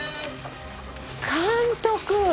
監督